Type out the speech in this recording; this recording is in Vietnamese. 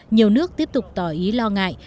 nhiều nước tiếp tục tỏ ý lo ngại